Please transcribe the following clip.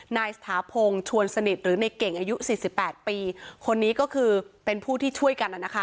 นายสถาพงศ์ชวนสนิทหรือในเก่งอายุสี่สิบแปดปีคนนี้ก็คือเป็นผู้ที่ช่วยกันน่ะนะคะ